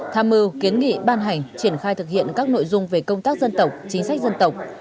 tham mưu kiến nghị ban hành triển khai thực hiện các nội dung về công tác dân tộc chính sách dân tộc